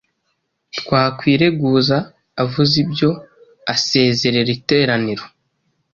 twakwireguza. Avuze ibyo asezerera iteraniro.”